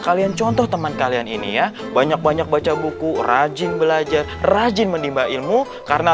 kalian contoh teman kalian ini ya banyak banyak baca buku rajin belajar rajin menimba ilmu karena